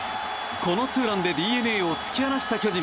このツーランでＤｅＮＡを突き放した巨人。